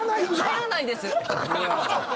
入らないです。